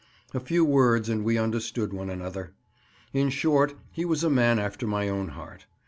A few words and we understood one another; in short, he was a man after my own heart.